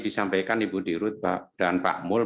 disampaikan ibu dirut dan pak mul